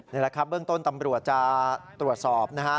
นี่แหละครับเบื้องต้นตำรวจจะตรวจสอบนะฮะ